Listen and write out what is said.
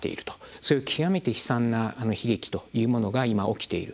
そういう極めて悲惨な悲劇というものが今、起きている。